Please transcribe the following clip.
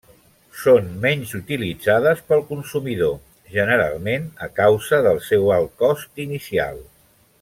Són menys utilitzades pel consumidor, generalment a causa del seu alt cost inicial.